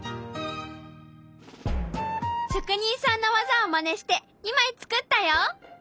職人さんの技をまねして２枚作ったよ！